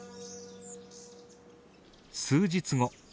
数日後。